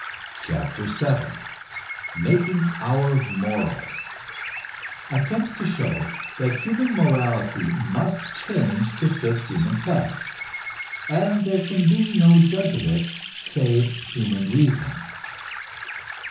CHAPTER VII MAKING OUR MORALS (Attempts to show that human morality must change to fit human facts, and there can be no judge of it save human reason.)